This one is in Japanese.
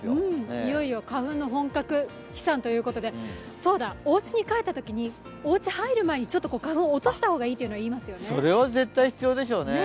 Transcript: いよいよ花粉の本格飛散ということで、そうだ、おうちに帰ったときに、おうち入る前にちょっと花粉を落とした方がいいというのは言いますよね。